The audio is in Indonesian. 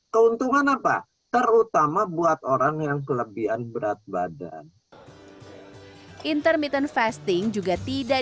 keuntungan apa terutama buat orang yang kelebihan berat badan intermittent fasting juga tidak